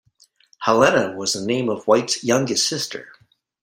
Helena was the name of White's youngest sister.